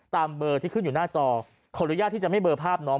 ตามเบอร์ที่ขึ้นอยู่หน้าจอขออนุญาตที่จะไม่เบอร์ภาพน้อง